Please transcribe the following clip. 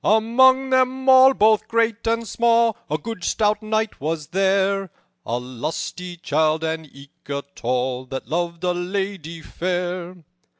"Among them all, both great and small, A good stout knight was there, A lusty childe, and eke a tall, That loved a lady fair.